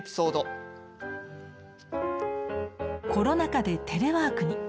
コロナ禍でテレワークに。